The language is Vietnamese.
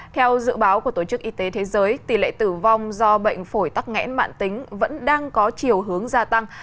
theo dự báo của tổ chức y tế thế giới tỷ lệ tử vong do bệnh phổi tắc nghẽn mạng tính vẫn đang có chiều hướng gia tăng